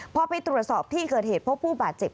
พอไปตรวจสอบที่เกิดเหตุพบผู้บาดเจ็บ